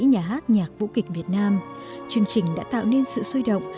nhà hát nhạc vũ kịch việt nam chương trình đã tạo nên sự sôi động